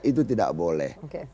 itu tidak boleh